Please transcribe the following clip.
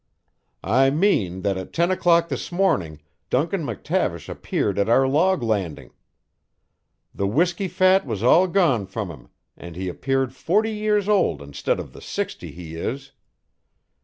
"I mean that at ten o'clock this morning Duncan McTavish appeared at our log landing. The whisky fat was all gone from him, and he appeared forty years old instead of the sixty he is.